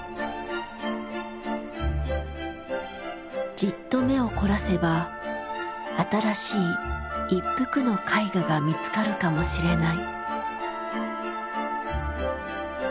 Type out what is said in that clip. じっと目を凝らせば新しい「一幅の絵画」が見つかるかもしれない。